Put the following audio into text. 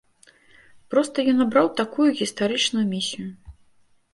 Проста ён абраў такую гістарычную місію.